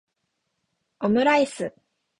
オムライス